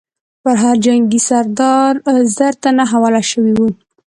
پر هر جنګي سردار زر تنه حواله شوي وو.